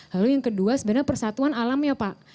lalu yang kedua sebenarnya persatuan alam ya pak